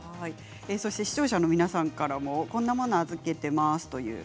視聴者の皆さんからこんなものを預けています。